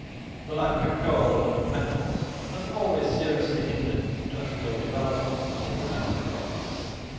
The lack of coal and of metals has always seriously hindered industrial development in the United Provinces.